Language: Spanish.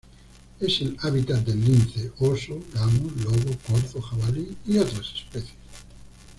Es el hábitat del lince, oso, gamo, lobo, corzo, jabalí y otras especies.